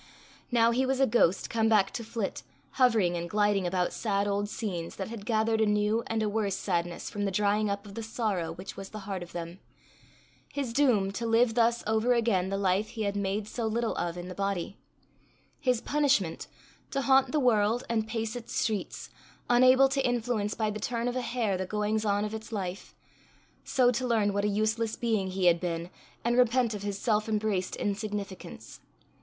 Now he was a ghost come back to flit, hovering and gliding about sad old scenes, that had gathered a new and a worse sadness from the drying up of the sorrow which was the heart of them his doom, to live thus over again the life he had made so little of in the body; his punishment, to haunt the world and pace its streets, unable to influence by the turn of a hair the goings on of its life, so to learn what a useless being he had been, and repent of his self embraced insignificance.